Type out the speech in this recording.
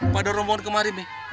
pada rombongan kemarin mih